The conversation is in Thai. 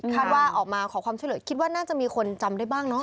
ว่าออกมาขอความช่วยเหลือคิดว่าน่าจะมีคนจำได้บ้างเนาะ